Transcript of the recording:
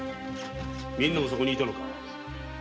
みんなもそこにいたのか？